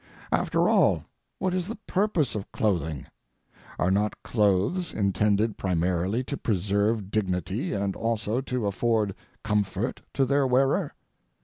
After all, what is the purpose of clothing? Are not clothes intended primarily to preserve dignity and also to afford comfort to their wearer?